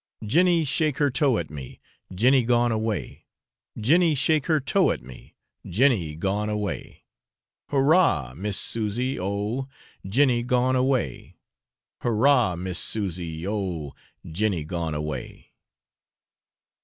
Jenny shake her toe at me, Jenny gone away; Jenny shake her toe at me, Jenny gone away. Hurrah! Miss Susy, oh! Jenny gone away; Hurrah! Miss Susy, oh! Jenny gone away.